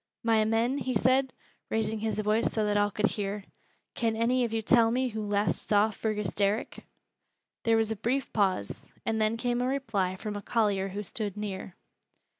"My men," he said, raising his voice so that all could hear, "can any of you tell me who last saw Fergus Derrick?" There was a brief pause, and then came a reply from a collier who stood near.